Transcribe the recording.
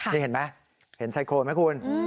นี่เห็นไหมเห็นไซโครนไหมคุณ